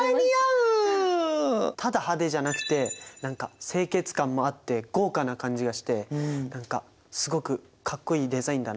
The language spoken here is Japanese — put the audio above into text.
ただ派手じゃなくて清潔感もあって豪華な感じがしてすごくかっこいいデザインだなって。